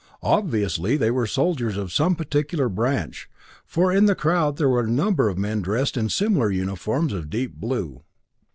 Obviously they were soldiers of some particular branch, for in the crowd there were a number of men dressed in similar uniforms of deep blue.